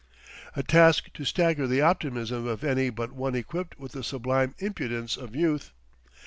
A task to stagger the optimism of any but one equipped with the sublime impudence of Youth!